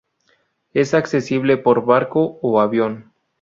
Es accesible por barco o avión.